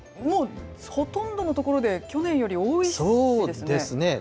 もうほとんどの所で去年より多いですね。